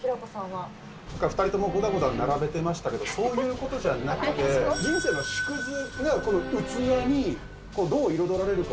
２人ともごたごた並べていましたけれども、そういうことじゃなくて、人生の縮図がこの器にどう彩られるか。